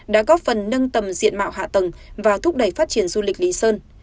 đã góp phần nâng tầm diện mạo hạ tầng và thúc đẩy phát triển du lịch lý sơn